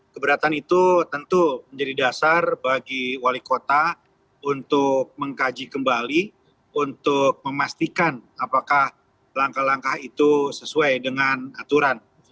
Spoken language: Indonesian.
keberatan itu tentu menjadi dasar bagi wali kota untuk mengkaji kembali untuk memastikan apakah langkah langkah itu sesuai dengan aturan